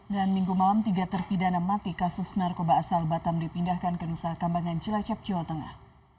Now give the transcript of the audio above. dan minggu malam tiga terpidana mati kasus narkoba asal batam dipindahkan ke nusa kambangan cilacap jawa tengah